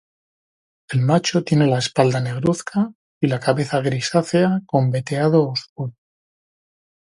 El macho tiene la espalda negruzca y la cabeza grisácea con veteado oscuro.